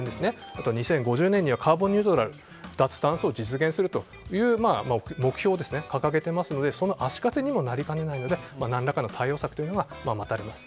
あと２０５０年にはカーボンニュートラル脱炭素を実現するという目標を掲げていますのでその足かせにもなりかねないので何らかの対応策が待たれます。